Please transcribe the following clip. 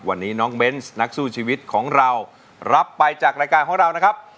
วันนี้น้องเบนส์นักสู้ชีวิตของเรารับไปจากรายการของเรานะครับ